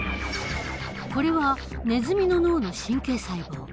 これはネズミの脳の神経細胞。